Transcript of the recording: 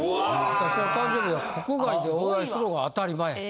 私の誕生日は国外でお祝いするのが当たり前。